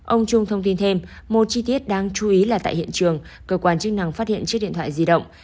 ông trung thông tin thêm một chi tiết đáng chú ý là tại hiện trường cơ quan chức năng phát hiện chiếc điện thoại di động